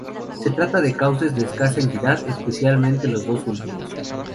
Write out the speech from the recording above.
Se trata de cauces de escasa entidad, especialmente los dos últimos.